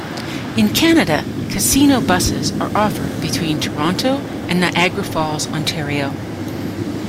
In Canada, 'Casino Buses' are offered between Toronto and Niagara Falls, Ontario.